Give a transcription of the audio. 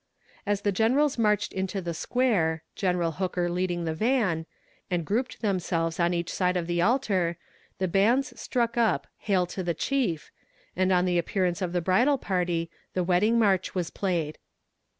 As the generals marched into the square General Hooker leading the van and grouped themselves on each side of the altar, the bands struck up "Hail to the Chief," and on the appearance of the bridal party the "Wedding March" was played.